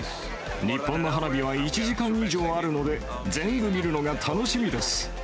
日本の花火は１時間以上あるので、全部見るのが楽しみです。